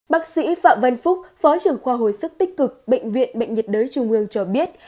bác sĩ phạm văn phúc phó trưởng khoa hồi sức tích cực bệnh viện bệnh nhiệt đới trung ương cho biết